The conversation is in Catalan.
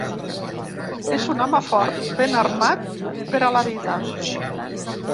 És un home fort, ben armat per a la vida.